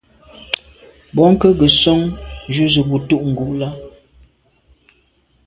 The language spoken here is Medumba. Bônke’ nke nson ju ze bo tù’ ngù là.